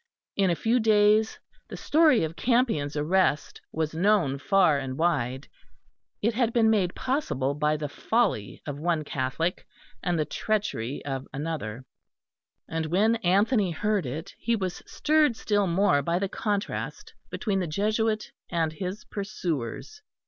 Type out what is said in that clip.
In a few days the story of Campion's arrest was known far and wide. It had been made possible by the folly of one Catholic and the treachery of another; and when Anthony heard it, he was stirred still more by the contrast between the Jesuit and his pursuers.